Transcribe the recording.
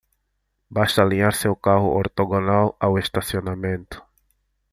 Basta alinhar seu carro ortogonal ao estacionamento.